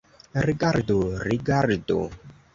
Rigardu, rigardu!